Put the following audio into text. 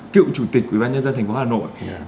cựu chủ tịch quỹ ban nhân dân thành phố hà nội